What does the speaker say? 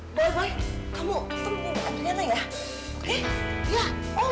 eh boy boy kamu temuin adriana ya oke